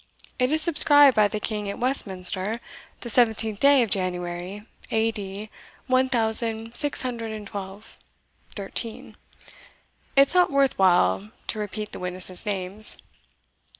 It is subscribed by the King at Westminster, the seventeenth day of January, A. D. one thousand six hundred and twelve thirteen. It's not worth while to repeat the witnesses' names."